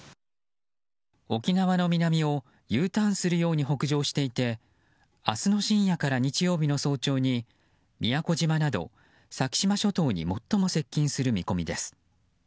沖縄の南をＵターンするように北上していて明日の深夜から日曜日の早朝に宮古島など先島諸島に最も接近する見込みです。